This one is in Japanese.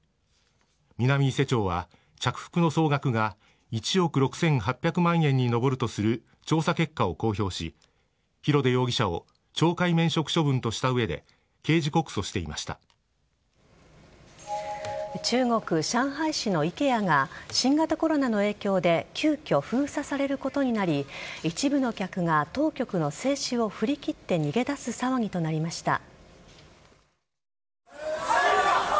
南伊勢町は着服の総額が１億６８００万円に上るとする調査結果を公表し広出容疑者を懲戒免職処分とした上で中国・上海市のＩＫＥＡが新型コロナの影響で急きょ封鎖されることになり一部の客が当局の制止を振り切って逃げ出す騒ぎとなりました。